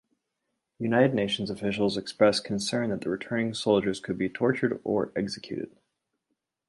United Nations officials expressed concern that the returning soldiers could be tortured or executed.